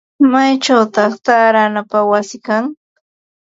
¿Maychawta taaranapaq wayi kan?